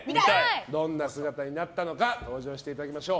どんな姿になったのか登場していただきましょう。